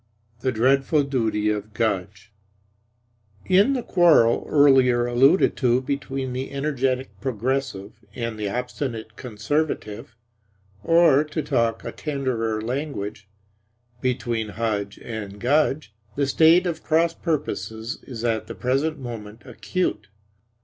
THE DREADFUL DUTY OF GUDGE In the quarrel earlier alluded to between the energetic Progressive and the obstinate Conservative (or, to talk a tenderer language, between Hudge and Gudge), the state of cross purposes is at the present moment acute.